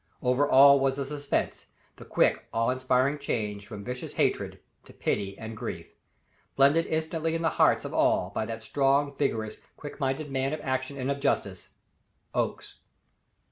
Over all was the suspense, the quick, awe inspiring change from vicious hatred to pity and grief, blended instantly in the hearts of all by that strong, vigorous, quick minded man of action and of justice OAKES.